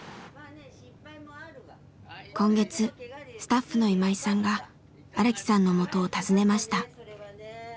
今月スタッフの今井さんが荒木さんのもとを訪ねました。